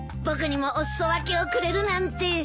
僕にもお裾分けをくれるなんて。